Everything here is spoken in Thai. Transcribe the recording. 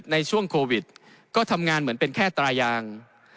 ในช่วงโควิดก็ทำงานเหมือนเป็นแค่ตายาง